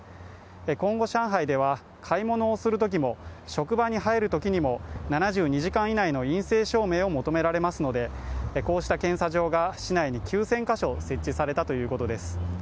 今後、上海では買い物をするときも職場に入るときにも７２時間以内の陰性証明を求められますのでこうした検査場が市内に９０００カ所設置されたということです。